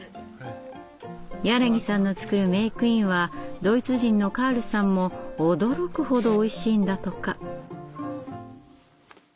柳さんの作るメークインはドイツ人のカールさんも驚くほどおいしいんだとか。